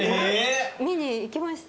見に行きました。